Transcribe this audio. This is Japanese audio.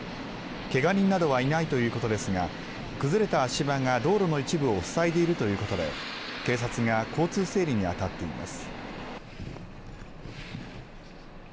けが人などはいないということですが崩れた足場が道路の一部を塞いでいるということで警察が交通整理にあたっています。